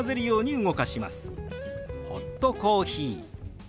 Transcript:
「ホットコーヒー」。